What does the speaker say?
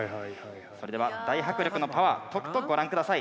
それでは大迫力のパワーとくとご覧下さい！